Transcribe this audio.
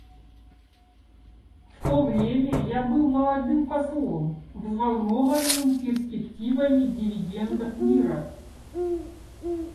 В то время я был молодым послом, взволнованным перспективами дивидендов мира.